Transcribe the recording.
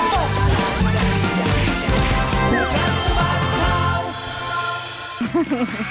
แล้วมันตก